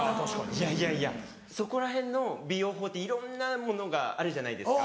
いやいやいやそこらへんの美容法でいろんなものがあるじゃないですか。